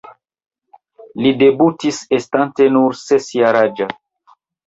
Li debutis estante nur ses-jaraĝa.